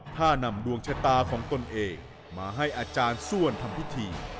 ถ้านำดวงชะตาของตนเองมาให้อาจารย์ส้วนทำพิธี